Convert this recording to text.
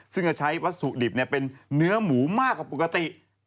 ซึ่งจะใช้วัตถุดิบเป็นเนื้อหมูมากกว่าปกติ